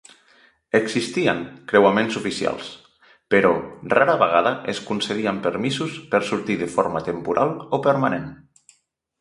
Existien creuaments oficials, però rara vegada es concedien permisos per sortir de forma temporal o permanent.